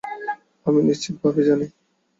আমি নিশ্চিতভাবেই জানি।